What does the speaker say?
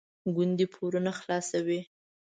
ګوندې پورونه خلاصوي.